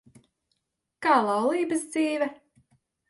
Kā laulības dzīve?